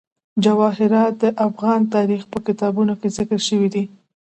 جواهرات د افغان تاریخ په کتابونو کې ذکر شوی دي.